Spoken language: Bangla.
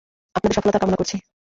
আপনাদের সফলতার কামনা করছি।